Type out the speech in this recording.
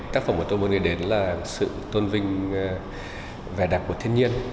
tác phẩm mà tôi muốn gửi đến là sự tôn vinh về đặc của thiên nhiên